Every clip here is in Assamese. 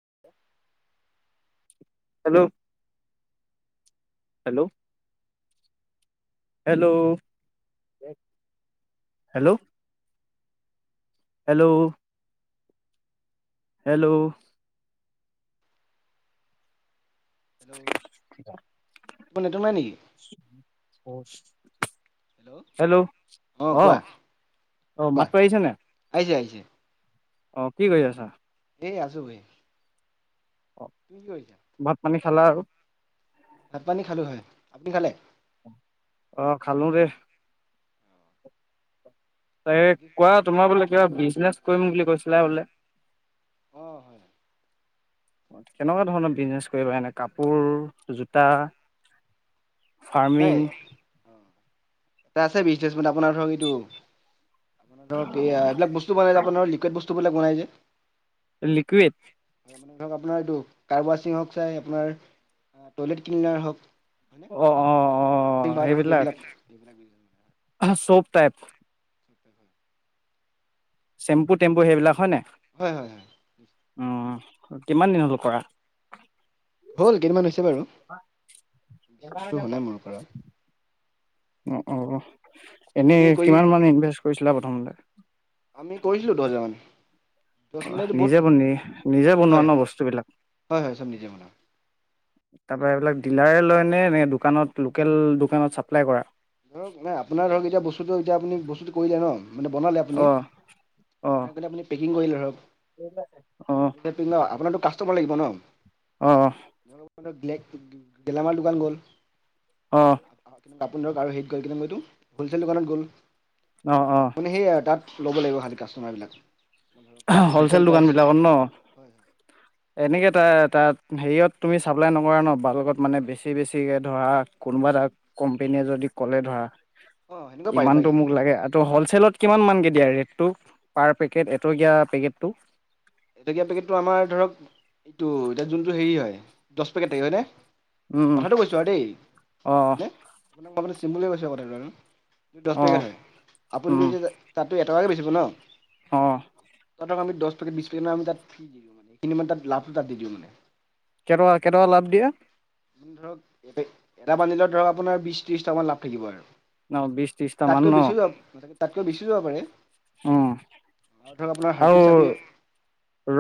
[unintelligible] Hello hello hello hello hello hello তোমাৰ নেটৱৰ্ক নাই নেকি? হেল্ল' অ', অ' কোৱা মাতটো আহিছেন নাই? আহিছে আহিছে অ' কি কৰি আছা? এই আছো বহি। কি কৰিছা? ভাত-পানী খালা আৰু? ভাত পানী খালো হয় আপুনি খালে? অ' খালো ৰে। এ বাকী কোৱা তোমাৰ বোলে কিবা বিজনেচ কৰিম বুলি কৈছিলা বোলে অ হয় কেনেকুৱা ধৰণৰ বিজনেছ কৰিবা এনে কাপোৰ, জোতা ফাৰ্মিং এ আছে বিজনেচ মানে আপোনাৰ ধৰক এইটো ধৰক এয়া এইবিলাক বস্তু বনাই যে আপোনাৰ লিকুইড বস্তুবিলাক বনাই যে লিকুইড ধৰক আপোনাৰ এইটো কাৰ ৱাচিং ক্লিনাৰ হওক চাই আপোনাৰ টইলেট ক্লিনাৰ হওক হয়নে অ' অ' ৱাশ্বিং অ' পাউদাৰ হওক সেইবিলাক এইবিলাক এইবিলাক চব টাইপ [unintelligible] চেম্পু টেম্পু সেইবিলাক হয় নে? হয় হয় হয়। কিমান দিন হ'ল কৰা? হ'ল কেইদমান হৈছে বাৰু। বেছিটো হোৱা নাই মোৰ পৰা অ' অ' আপুনি এনেই কৰিম কিমান মান ইনভেষ্ট কৰিছিলা প্ৰথমতে। আমি কৰিছিলোঁ দহ হাজাৰ মান দহ মানে ওৱাহ এইটো বহুত নিজে নিজে বনোৱা হয় ন বস্তুবিলাক হয় হয় চব নিজে বনাওঁ। তাৰপাৰা এইবিলাক ডিলাৰে লয় নে এনে দোকানত লোকেল দোকানত চাপ্লাই কৰা। ধৰক ন আপোনাৰ ধৰক এতিয়া বস্তুটো এতিয়া আপুনি বস্তুটো কৰিলে ন মানে বনালে অ আপুনি অ বনাই পেলাই আপুনি পেকিং কৰিলে ধৰক। অ সেইটো ন আপোনাৰটো কাষ্টমাৰ লাগিব অ ন। গিলেক গেলামাল দোকান গ'ল অহ' আপোনি ধৰক আৰু হেইত গ'ল কেনে এইটো হ'লচেল দোকানত গ'ল অ অ মানে সেইয়া তাত ল'ব লাগিব খালি কাষ্টমাৰবিলাক। তাত হ'লচেল দোকান প্ৰাইচ বিলাকত ন হয় এনেকে তে তাত হেৰিয়ত তুমি চাপ্লাই নকৰা ন বাল্কত মানে বেছি বেছিকৈ ধৰা কোনোবা তাক কোম্পোনীয়ে যদি ক'লে ধৰা অঁ সেনেকুৱা পাৰি পাৰি ইমানতটো মোক লাগে আৰুটো হ'লচেলত কিমান মান কে দিয়া ৰেটটো পাৰ পেকেট। এটকীয়া পেকেটটো। এটকিয়া পেকেটটো আমাৰ ধৰক এইটো এতিয়া যোনটো হেৰি হয় দহ পেকেট আহ হয়নে? উম কথাটো কৈছোঁ আৰু দেই অ আপোনাক মই বোলোঁ চিম্পুলকে কৈছোঁ কথাটো আৰু দহ অ পেকেট হয় আপুনিটো তাতো এটকাকে বেচিব ন। অহ' ধৰক আমি জহত পেকেট বিশ পেকেট আমি তাত দিওঁ মানে কিন্ত মানে তাত লাভটো তাত দিওঁ মানে কে টকা, কে টকা, লাভ দিয়ে। ধৰক এটা বানন্দিলত ধৰক আপোনাৰ বিশ ত্ৰিশ টকামান লাভ থাকিব আৰু ন বিশ ত্ৰিশটা মান তাতকৈ ন বেছিও যাব তাতকৈ বেছিও যাব পাৰে। উম আৰু ধৰক আপোনাৰ আৰু হাৰ্পিক চাৰপিক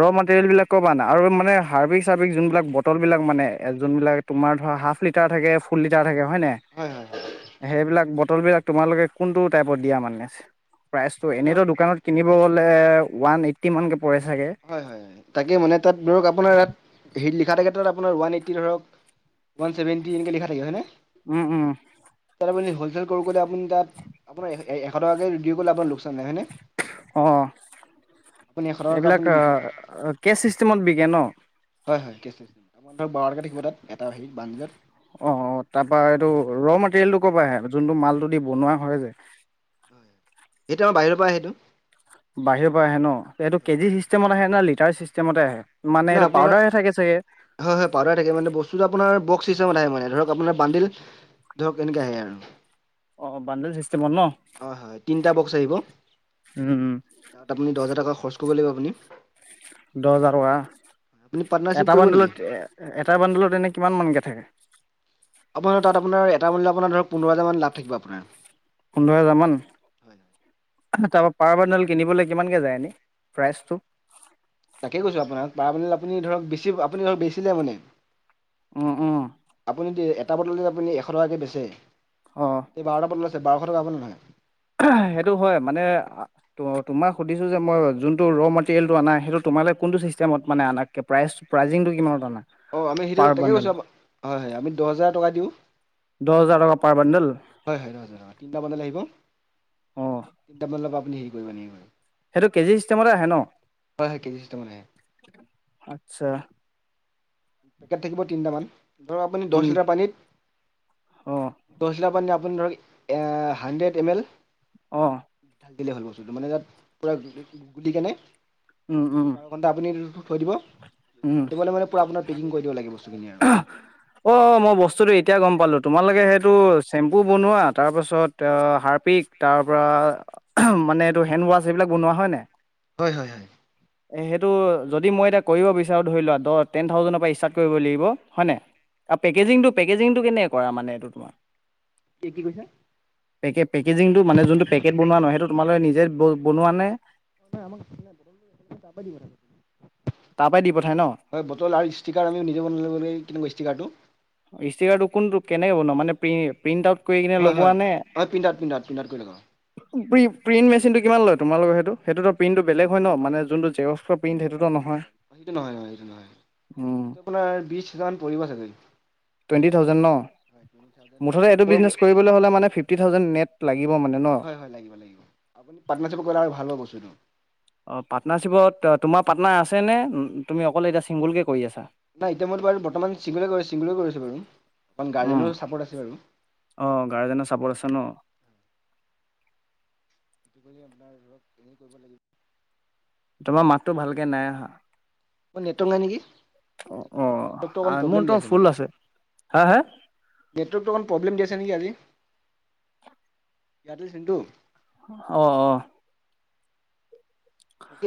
ৰ মেটেৰিয়েল বিলাক ক'ব আনা আৰু মানে হাৰ্বিক চাৰ্বিক যোনবিলাক বটল বিলাক মানে যোনবিলাক তোমাৰ ধৰা হাফ লিটাৰ থাকে, ফুল লিটাৰ থাকে। হয় হয় হয় নাই। সেইবিলাক বটল বিলাক তোমালোকে কোনটো টাইপত দিয়া মানেছ। আমি প্ৰাইচটো ধৰক এনেইতো দোকানত কিনিব গ'লে ওৱান এইটি মানকে পৰে চাগে হয়, হয়, হয়, তাকে মানে তাত ধৰক আপোনাৰ ইয়াত হেই লিখা থাকে তাত আপোনাৰ ওৱান এইটি ধৰক ওৱান ছেভেনটি এনেকে লিখা থাকে। উম, উম। কৰোঁ বুলি হ'লচেল কৰোঁ ক'লে আপুনি তাত আপোনাৰ এশ টকাকে ৰিদিও কৰিলে লোকচ আনে হয়নে আপুনি এশ টকাটো কে চিষ্টেমত বিকে ন। হয়, হয়, কেচ আপোনাৰ ধৰক বাৰটাকে থাকিব তাত এটা হেৰি বান্দলত অ' অ' তাৰপৰাৰা এইটো ৰ মেটেৰিয়েলটো ক'ৰপৰা আহে যোনটো মালটো দি বনোৱা হয় যে। হয়, এইটো আমাৰ বাহিৰৰ পৰা সেইটো। বাহিৰ পৰা আহে ন এইটো কেজি চিষ্টেমত আহে নে লিটাৰ চিষ্টেমতে আহে। মানে এইটো আপোনাৰ হয়, পাউদাৰহে থাকে চাগে হয়, পাউডাৰ থাকে বস্তুতো আপোনাৰ বকচ ত্ৰিচু বায়ে মানে ধৰ আপোনাৰ বান্ধিল ধৰক এনেকে আহে আৰু অ' বান্দল চিষ্টেম। হয়, হয়, তিনিটা বক্সচ আহিব উম, তাত মানে দহ হাজাৰ টকা খৰচ কৰিব লাগিব আপুনি। দহ হাজাৰ টকা। আপুনি পাৰ্টনাৰশ্বিপ এটা কৰিব নেকি? বান্দুলত এটা বান্দুলত এনে কিমান মানকে থাকে। আপোনাৰ তাত আপোনাৰ এটা মান আপোনাৰ ধৰক পোন্ধৰ হাজাৰমান থাকিব আপোনাৰ পোন্ধৰ হোজাৰ মান ত পাৰ বাডোণ্ডল কিনিবলৈ কিমানকে যায় এনেই প্ৰাইচটো তাকে কৈছো আপোনাক পাৰ মান আপুনি ধৰক বেছি আপুনি ধৰক বেছিলে মানে উম, উম, আপুনি এটা বটল য আপুনি এশ টকাকে বেচে অ', এই বাৰটা বটল বাৰশ টকা হাব নে নহয় সেইটো হয় মানে তুমাক সুধিছো মই জুনতু ৰো মেটেৰিয়েল আনা সেইটো তুমালে চিষ্টেমত মানে আনকৈ প্ৰাইচ প্ৰাইজিংটো কিমানত অনা অ আমি সেইটো তাকে কৈছোঁ হয় হয় আমি দহ হাজাৰ টকা দিওঁ দহ হাজাৰ টকা পাৰ বান্দোল হয় হয় ৰহ তিনটা বজাত আহিব অ', তিনটামান আপুনি হেৰি কৰিব নে সেইটো কেজি হিষ্টেমতে আহে ন হয় হয় কেজি চিষ্টেমত আহে আচ্ছা পেকেট থাকিব তিনিটামান ধৰক আপুনি তিন দহ লিটাৰ পানীত অ', দহ লিটাৰ পানীত আপুনি ধৰক এ হানড্ৰেড এম এল অ বলে হল বস্তুটো মানে তাত পুৰা গুটি কেনে উম, উম, বাৰ ঘন্টা আপুনি থৈ দিব উম। ৰাতিপুৱলৈ মানে পূৰা আপোনাৰ পেকিং কৰি দিব লাগে বস্তুখিনি আৰু অ মই বস্তুতটো এতিয়া গম পালো তোমালোকে সেইটো চ্বেম্পু বনোৱা তাৰ পাছত হাৰ্পিক তাৰ পৰা মানে এইটো হেণ্ড ৱাছ এইবিলাক বনোৱা হয় নে হয় হয় হয় এ সেইটো যদি মই এতিয়া কৰিব বিচাৰোঁ ধৰি লোৱা দহ টেন থাউজেণ্ডৰ পৰা ষ্টাৰ্ট কৰিব লাগিব হয়নে পেকেজেকেজিংটো কেনেকে কৰা মানে এইটো তোমাৰ কি কি কৈছা পেকেজিংটো মানে যোনটো পেকেট বনোৱা নহয় সেইটো তোমালে নিজে বনোৱা নে অ নাই আমাক নাই বৰ আাবাদী কৰা তাৰ পৰাই দি পঠাই ন? হয় বটল আৰু ষ্টিকাৰ আমি নিজে বন কেনেকা ষ্টিকাৰটো ষ্টিকাৰটো কোনটো কেনেকৈ বন মানে প্ৰ প্ৰিণ্ট আউট কৰি কিনে হয় লগোৱা হয় নে হয় print out print out print out কৰি লগাওঁ প্ৰিণ্ মেচিনটো কিমান লয় তোমালোকৰ সেইটোইটোতো প্ৰিণ্টো বেলেগ হয় ন মানে যোনটো জেকস্ প্ৰণ্ট সটো নয় সেইটো নহয় নহয় সেইটো নহয় উম, এইটো আপোনাৰ বিশ হেজামান পৰিব চাগৈ টুৱেণ্ট থাউেণ্ ন হয় টুৱেণ্টি থাউজেণ্ড মুঠতে তাতকৈ এইটো ওপৰ বিজনেচ কৰিবলৈ হলে মানে ফিফটি থাউজেণ্ড নেট লাগিব মানে ন হয় হয় লাগিব লাগিব আপুনি পাটৰ্নাৰশ্বিপে কৰিলে আৰু ভাল হ বস্তুতটো অ পাৰ্টনাৰশ্বিপত তোমাৰ পাৰ্টনাৰ আছেনে তুমি অকলে এতিয়া চিংগলকে কৰি আছা নাই এতিয়া মইতো বাৰু বৰ্তমান চিংগুল চিংগুল কৰিছো বাৰু গাৰ্জেনৰো চাপৰ্ট আছে বাৰু অ গাৰ্জেনে চাপত আছে ন সেইটো কৰি আপোনাৰ ধৰক এনেই কৰিব লাগিব তোমাৰ মাততো ভালকে নাই আহা অ নেটৱৰ্ক নাই নেকি অ' অ নেটৰ্ নেটৱৰ্কটো অকণ প্ৰব্লেম মোৰতো দি আছে ফুল মানে হা হা? নেটৱৰ্কতটো অকণ প্ৰব্লেম দি আছে নেকি আজি এয়াৰটেল চিম টো আহ আহ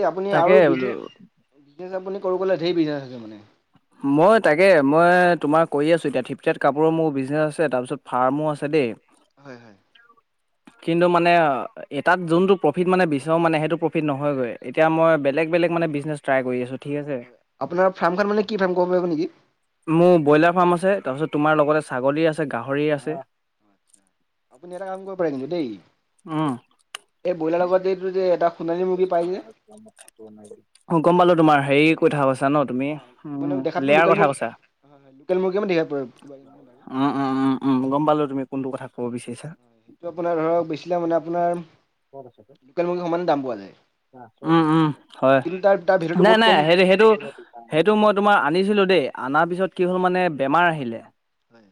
আপুনি তাকে আৰু বোলো বিজনেছ কৰো কলে ধেই বিজনেছ আছে মানে মই তাকে মই তোমাৰ কৰি আছো এতিয়া থিপথেট কাপোৰৰ মোৰ বিজনেছ আছে তাৰপিছত ফাৰ্মো আছে দেই হয় হয় কিন্তু মানে এটাত যোনতটো প্ৰফিট মানে বিচাৰো মানে সেইটো প্ৰফিট নহয়গৈ এতিয়া মই বেলেগ বেলেগ মে ম বিজনেছ ট্ৰাই কৰি আছো আপোনাৰ ফাৰ্ম খন মানে কি ফাৰ্ম ক'ব পাৰিব নেকি মোৰ ব্ৰইলাৰ ফাৰ্ম আছে তাৰপিছত তোমাৰ লগতে ছাগলী আছে গাহৰি আছে আপুনি এটা কাম কৰিব পাৰে কিন্তু দেই উম এই ব্ৰইলাৰ লগত যে এইটো যে এটা সোণালী মুৰ্গী পাই যে অ গম পালো তোমাৰ হেৰি কথা কৈ জান অ তুমিয়ে মানে উম দেখাতো লেয়াৰ লোকেল কথা মুৰ্গী কৈছা হয় হয় লোকেল মুৰ্গী মানে দেখিব বাৰু হয়, উম উম উম উম গম পালো তুমি কোনটো কথা কব বিচাৰিছা সেইটো আপোনাৰ ধৰক বেচিলে মানে আপোনাৰ লোকেল মুৰ্গী সমানে দাম পোৱা যায় উম উম হয় কিন্তু তাৰ তাৰ ভেলুটো নাই বহুত নাই কম সেইটো সেইটো সেইটো মই তোমাৰ আনিছিলো দেই অনাৰ পিছত কি হ'ল মানে বেমাৰ আহিলে হয়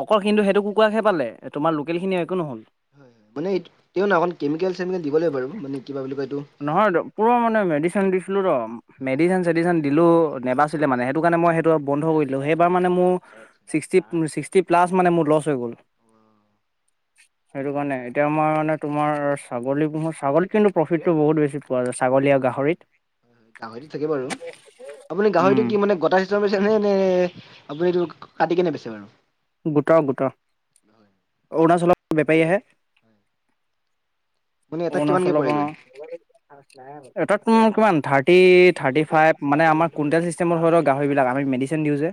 অকল কিন্তু সেইটো কুকুৰাক হে পালে তোমাৰ লোকেলখিনি একো নহ'ল হয় হয় মানে তেওঁ ন অক কেমিকেল চেমিকেল দিব লাগে বাৰু মানে কিবা বুলি কয় এইটো নহয় পুৰা মানে মেডিচিন দিছ ছিলোঁ ত হয় হয় মেডিচিন চেডিচিন দিলোঁ নেবাচছিলে মানে সেইটো কাৰণে মই সেইটো বন্ধ কৰি দিলোঁ সেইবাৰ মানে মোৰ আচ্ছা আচ্ছা ছিক্সটি ছিক্সটি প্লাছ মানে মোৰ লচ হৈ গ'ল। অ সেইটো কাৰণে এতিয়া আমাৰ মানে তোমাৰ ছাগলী পুহো ছাগলী কিন্তু প্ৰফিটটো বহুত বেছি পোৱা যায় ছাগলী আৰু গাহৰিত গাহৰিত থাকে বাৰু আপুনি উম। গাহৰিটো কি মানে গোটা চিষ্টেমত বেছে নে নে আপুনি এটো কাটি কেনে বেছে বাৰু গোটা গোটা হয় অৰুণাচলৰ বেপাৰী আহে হয় মানে এটাত কিমানকে অৰুণাচলৰ পৰা পৰেগৈ অ এটাত তো কিমান থাৰ্টি থাৰ্টি ফাইভ মানে আমাৰ কুইণ্টেল চিষ্টেমত হয় ন গাহৰিবিলাক আমি মেডিচিন দিওঁ যে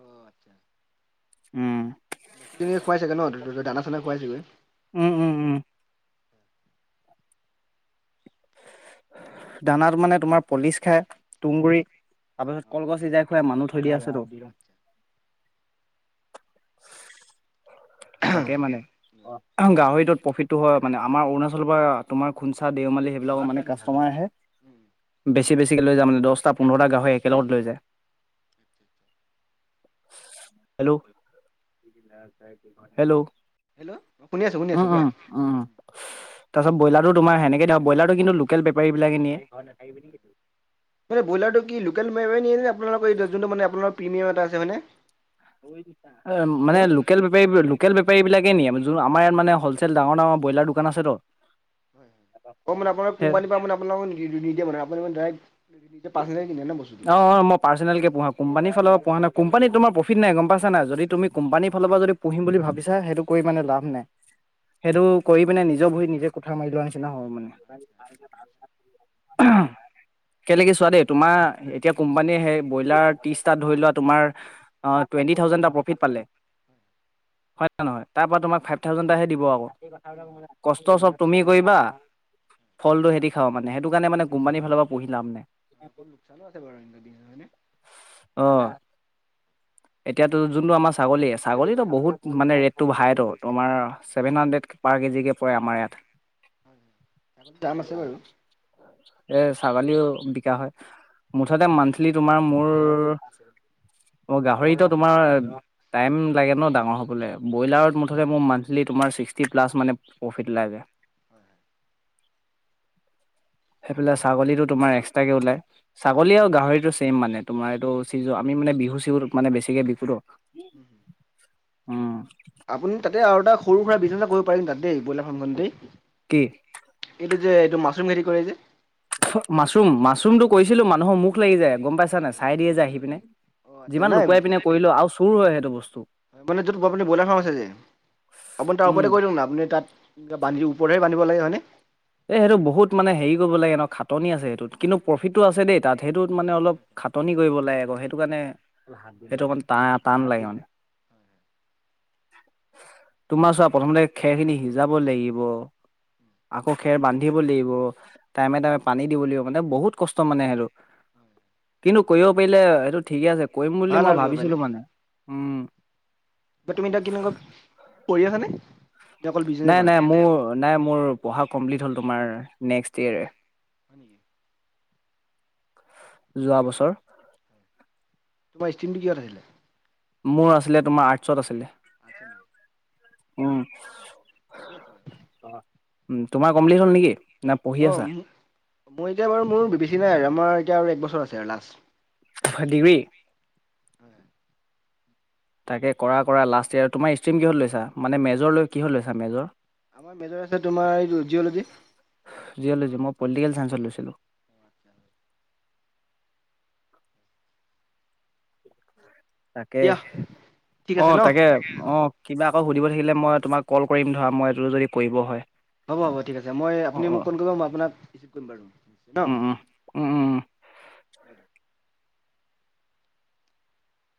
অ' আচ্ছা উম বাকী তুমি খুৱাই চাগে ন দানা চানা খুৱাইছাগে উম উম উম দানাত মানে তোমাৰ পলিচ খায় তুঁহগুৰি তাৰ পিছতকলগছ সিজাই খুৱাই মানুহ চলি আছেটো তাকে মানে হেল্ল' অ', গাহৰিটোত প্ৰফিটটো হয় মানে আমাৰ অৰুণাচলৰ পৰা তোমাৰ খুঞ্চা দেওমালী সেইবিলাকৰ মানে কাষ্টমাৰ আহে বেছি বেছিকে লৈ যা মানে দশটা পোন্ধৰটা গাহৰি একেলগত লৈ যায় হেল্ল'হেল্লো, হেল্ল', অ শুনি আছো, শুনি আছো, কোৱা তাৰপাছ ব্ৰইলাৰটো তোমাৰ সেনেকে ধৰ বইলাৰটো কিন্তু লোকেল বেপাৰীবিলাকে নিয়ে মানে ব্ৰইলাৰটো কি লোকেল মানুহে নিয়ে নে আপোনালোকৰ এইটো জোনটো মানে আপোনালোকৰ প্ৰিমিয়াম এটা আছে মানে মানে লোকেল বেপাৰী, লোকেল বেপাৰী বিলাক [unintelligible] আমাৰ ইয়াত মানে হলচেল ডাঙৰ-ডাঙৰ ব্ৰইলাৰ দোকান আছেটো। হয় অ' মানে আপোনালোকক কোম্পানীৰ পৰা মানে আপোনালোকক নিদিয়ে মানে আপোনালোকে মানে ডাইৰেক্ট নিজে পাৰ্চনেলি কিনে ন বস্তুটো। অ'-অ' মই পাৰ্চনেলকে পোহা কোম্পানীৰ ফালৰ পৰা পোহা নাই কোম্পানীত তোমাৰ প্ৰফিট নাই গম পাইছা নাই যদি কোম্পানীৰ ফালৰ পৰা যদি পুহিম বুলি ভাবিছা সেইটো কৰি মানে লাভ নাই। সেইটো কৰি পিনে নিজৰ ভৰিত নিজে কোঠাৰ মাৰি লোৱা নিচিনা হ'ব মানে। [inaudible] কেনেকে চোৱা দেই তোমাৰ এতিয়া কোম্পানীয়ে সেই ব্ৰইলাৰ তিশটাত ধৰি লোৱা তোমাৰ টুৱেন্টি থাউজেণ্ড থাউজেণ্ড এটা প্ৰফিট পালে হম, হয় নে নহয়? তাৰ পৰা তোমাক ফাইভ থাউজেণ্ডাহে দিব আকৌ উম। কষ্ট চব তুমি কৰিবা ফলটো সিহঁতি খাব মানে সেইটো কাৰণে মানে কোম্পানীৰ ফালৰ পৰা পুহি লাভ নাই। অ' লোকচানো আছে বাৰু সিহঁতক দি হয়নে? অ' [inaudible] এতিয়াতো যোনটো আমাৰ ছাগলী-ছাগলীতো বহুত মানে ৰেটটো হাইতো তোমাৰ ছেভেন হাণ্ড্ৰেড পাৰ কেজিকে পৰে আমাৰ ইয়াত। [unintelligible] দাম আছে বাৰু। [unintelligible] এ ছাগালিও বিক কা হয় মুঠতে মান্থলি তোমাৰ মোৰ অ গাহৰিতো তোমাৰ টাইম লাগে ন ডাঙৰ হবলৈ ব্ৰইলাৰত মুঠতে মোৰ মান্থলি ই তোমাৰ ছিক্সটি প্লাছ প্ৰফিট উলাইগে। [inaudible] সেইফালে ছাগলীটো তোমাৰ এক্স তাকে ওলাই ছাগলী আৰু গাহৰিটো ছেম মানে তোমাৰ এইটো চিজু আমি মানে বিহু চিজুত মানে বেছিকে বিকো ট। [unintelligible] উম। আপুনি তাতে আৰু এটা সৰু সুৰা বিজিনেছ কৰিব পাৰিম তাত দেই ব্ৰইলাৰ ফাৰ্মখনটেই। কি? যে এইটো মাছৰুম খেতি কৰে যে? মাছৰুম মাছৰুমটো হয়। কৰিছিলো মানুহৰ মুখ লাগি যায় গম পাইছা নে চাই দিয়ে যে আহি পিনে। অ আচ্ছা যিমান নাই লুকুৱাই পিনে কৰিলেও আৰু চুৰ হয়। সেইটো বস্তু মানে য'ত আপুনি ব্ৰইলাৰ ফাৰ্ম আছে যে। আপুনি তাৰ উম। ওপৰতে কৰি দিয়ক না আপুনি তাত বান্ধি ওপৰতে বান্ধিব লাগে হয় নে? এই সেইটো বহুত মানে হেৰি কৰিব লাগে ন খাটনি আছে সেইটোত কিন্তু প্ৰফিতটো আছে দেই তাত। সেইটোত মানে অলপ খাটনি কৰিব ওলাই ক সেইটো কাৰণে সেইটো কাৰণে টা টান লাগে মানে। তোমাৰ চোৱা প্ৰথমতে খেৰ খিনি সিজাব লাগিব। আক ক খেৰ বান্ধিব লাগিব টাইমে টাইমে পানী দিব লাগিব মানে বহুত কষ্ট মানে সেইটো কিন্তু কৰিব পাৰিলে এইটো ঠিকে আছে কৰিম বুলি ভাল মই আৰু গৈ ভাবিছিলো মানে। উম বা তুমি এতিয়া কেনেকুৱা পঢ়ি আছানে? নে অকল বিজনেছে নাই কৰা? নাই মোৰ নাই মোৰ পঢ়া কমপ্লিট হ'ল তোমাৰ নেক্সট ইয়েৰ। হয় নেকি? যোৱা বছৰৰ। তোমাৰ ষ্ট্ৰীমটো কিহত আছিলে? মোৰ আছিলে তোমাৰ আৰ্টচত আছিলে। আছে নাই উম। ঠিকে আছে বাৰু। তোমাৰ কমপ্লিট হল নেকি? না পঢ়ি অ, আছা মু, মই এতিয়া বাৰু মোৰ বেছি নাই আৰু আমাৰ এতিয়া আৰু এক বছৰ আছে আৰু লাষ্ট। ফাদীবি [unintelligible] তাকে কৰা কৰা লাষ্ট ইয়াৰ তোমাৰ ষ্ট্ৰীম কিহত লৈছা? মানে মেজৰ লৈ কিহত লৈছা মেজৰ? আমাৰ মেজৰ আছে তোমাৰ এইটো জিঅলজি। জিঅ'লজি মই পলিটিকেল চাইন্সত লৈছিলোঁ। তাকে, দিয়া ঠিক আছে ন অ'তাকে অ কিবা- বা সুধিব থাকিলে মই তোমাক কল কৰিম ধৰা মই এইটো যদি কৰিব হয়। হ'ব হ'ব ঠিক আছে। মই আপুনি মোক কল কৰিব মই আপোনাক ৰিচিভ কৰিম বাৰু। ঠিক আছে ন'? [inaudible] [unintelligible]